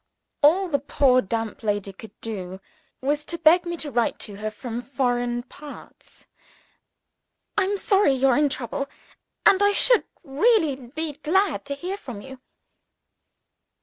All the poor damp lady could do was to beg me to write to her from foreign parts. "I'm sorry you're in trouble; and I should really be glad to hear from you."